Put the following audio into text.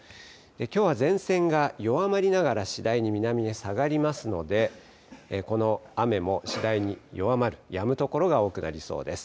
きょうは前線が弱まりながら次第に南へ下がりますので、この雨も次第に弱まる、やむ所が多くなりそうです。